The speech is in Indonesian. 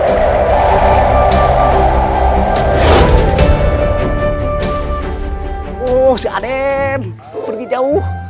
aduh si adem pergi jauh